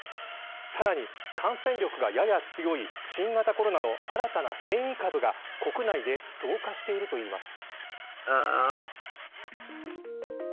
さらに感染力がやや強い新型コロナの新たな変異株は国内で増加しているということです。